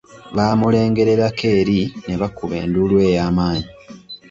Baamulengererangako eri ne bakuba endulu ey'amanyi.